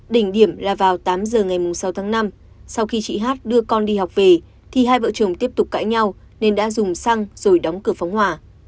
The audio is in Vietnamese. đỉnh điểm là vào tám giờ ngày sáu tháng năm sau khi chị hát đưa con đi học về thì hai vợ chồng tiếp tục cãi nhau nên đã dùng xăng rồi đóng cửa phóng hỏa